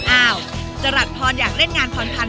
อ้าวจรัทรพรอยากเล่นใงลระฟอนกัน